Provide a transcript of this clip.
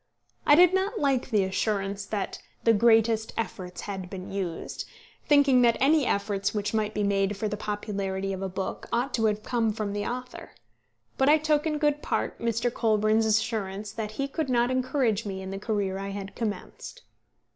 I did not like the assurance that "the greatest efforts had been used," thinking that any efforts which might be made for the popularity of a book ought to have come from the author; but I took in good part Mr. Colburn's assurance that he could not encourage me in the career I had commenced.